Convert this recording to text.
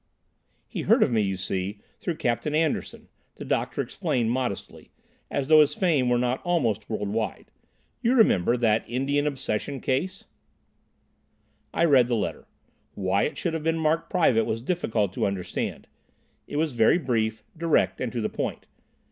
"He heard of me, you see, through Captain Anderson," the doctor explained modestly, as though his fame were not almost world wide; "you remember that Indian obsession case—" I read the letter. Why it should have been marked private was difficult to understand. It was very brief, direct, and to the point.